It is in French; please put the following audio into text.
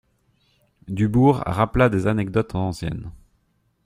Dubourg rappela des anecdotes anciennes.